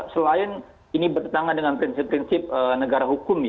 selain ini bertentangan dengan prinsip prinsip negara hukum